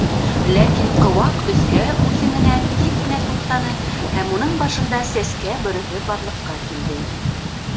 Ләкин ҡыуаҡ өҫкә үҫеңенән тиҙ генә туҡтаны һәм уның башында сәскә бөрөһө барлыҡҡа килде.